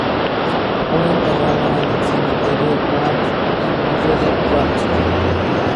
Fue enterrado en el Cementerio Woodlawn del barrio del Bronx.